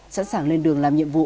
sẵn sàng lên đường làm nhiệm vụ